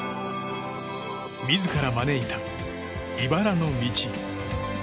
自ら招いた、いばらの道。